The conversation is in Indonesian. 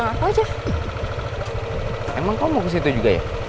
engga sih gak kesana tapi ke daerah sana kita searah